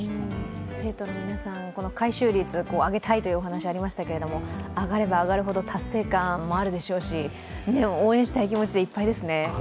生徒の皆さん、回収率上げたいというお話ありましたが、上がれば上がるほど、達成感もあるでしょうし応援したい気持ちでいっぱいですね。